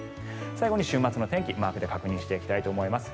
最後に週末の天気をマークで確認していきたいと思います。